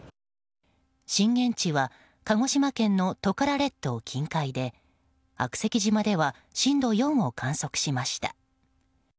震源地は鹿児島県のトカラ列島近海で悪石島では震度４を観測しました。